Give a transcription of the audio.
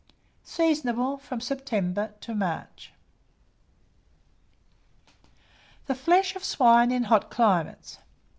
Seasonable from September to March. THE FLESH OF SWINE IN HOT CLIMATES.